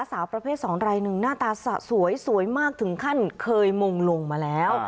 สาวประเภทสองรายหนึ่งหน้าตาสะสวยสวยมากถึงขั้นเคยมงลงมาแล้ว